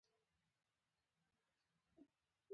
په دې توګه حساسه مقطعه معمولا ټولنې یوه ستره برخه متاثره کوي.